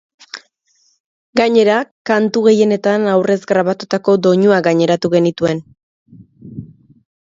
Gainera, kantu gehienetan aurrez grabatutako doinuak gaineratu genituen.